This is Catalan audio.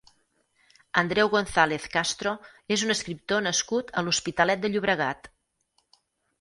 Andreu González Castro és un escriptor nascut a l'Hospitalet de Llobregat.